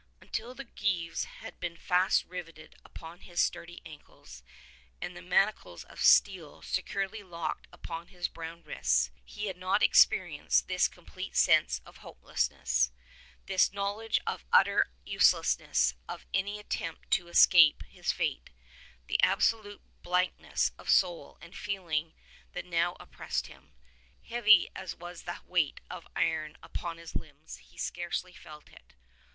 Until the gyves had been fast riveted upon his sturdy ankles, and the man acles of steel securely locked upon his brown wrists, he had not experienced this complete sense of hopelessness, this knowledge of the utter uselessness of any attempt to escape his fate, the absolute blankness of soul and feeling that now oppressed him. Heavy as was the weight of iron upon his limbs he scarcely felt it.